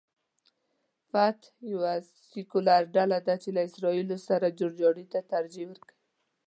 فتح یوه سیکولر ډله ده چې له اسراییلو سره جوړجاړي ته ترجیح ورکوي.